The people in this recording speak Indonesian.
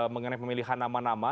mengenai pemilihan nama nama